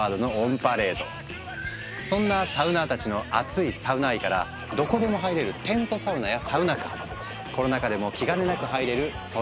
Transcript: そんなサウナーたちのアツいサウナ愛からどこでも入れる「テントサウナ」や「サウナカー」コロナ禍でも気兼ねなく入れる「ソロサウナ」